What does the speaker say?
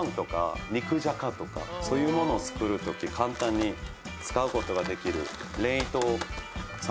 そういうものを作る時簡単に使うことができる。